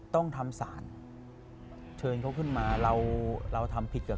ต้องทำสารเชิญเขาขึ้นมาเราทำผิดกับเขา